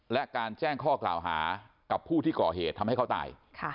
และการแจ้งข้อกล่าวหากับผู้ที่ก่อเหตุทำให้เขาตาย